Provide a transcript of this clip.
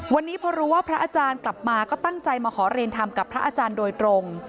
วันนี้พอรู้ว่าพระอาจารย์กลับมาก็ตั้งใจมาขอเรียนทำกับพระอาจารย์โดยตรง